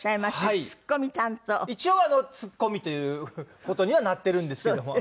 一応ツッコミという事にはなってるんですけども。